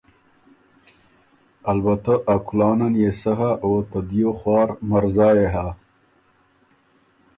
البته ا کُلانن يې سۀ هۀ او ته دیو خوار مرزا يې ھۀ۔